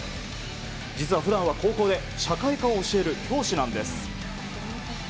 実は普段は高校で社会科を教える教師なんです。